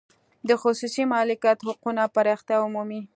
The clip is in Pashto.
د خصوصي مالکیت حقونه پراختیا ومومي.